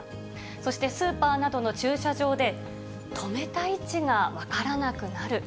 そして、スーパーなどの駐車場で止めた位置が分からなくなる。